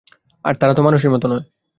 তারা তো মানুষের মতো নয়।